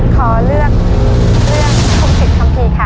ขอเลือกเลือกโภงศิษย์คำพีค่ะ